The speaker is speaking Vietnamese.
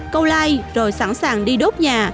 câu like rồi sẵn sàng đi đốt nhà